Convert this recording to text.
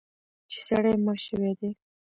چې سړی مړ شوی دی.